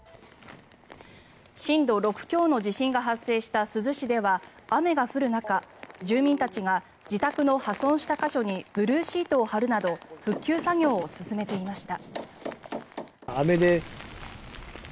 震度６強の地震が発生した珠洲市では雨が降る中、住民たちが自宅の破損した箇所にブルーシートを張るなど復旧作業を進めていました。